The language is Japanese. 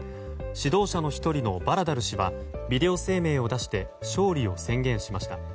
指導者の１人のバラダル師はビデオ声明を出して勝利を宣言しました。